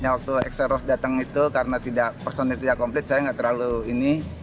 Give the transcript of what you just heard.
waktu axl rose datang itu karena personelnya tidak komplit saya tidak terlalu ini